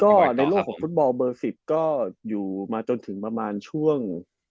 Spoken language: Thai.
ก็ในโลกของฟุตบอลเบอร์๑๐ก็อยู่มาจนถึงประมาณช่วง